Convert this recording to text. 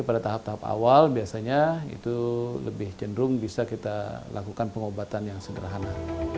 pada tahap tahap awal biasanya itu lebih cenderung bisa kita lakukan pengobatan yang sederhana